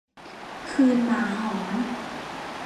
คืนหมาหอน